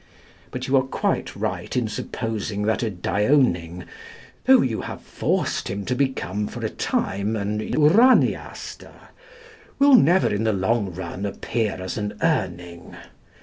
But you are quite right in supposing that a Dioning, though you have forced him to become for a time an Uraniaster, will never in the long run appear as an Urning.